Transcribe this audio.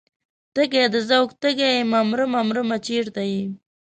تږی د ذوق تږی یمه مرمه مرمه چرته یې؟